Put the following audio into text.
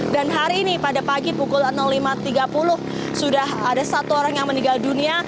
dan hari ini pada pagi pukul lima tiga puluh sudah ada satu orang yang meninggal dunia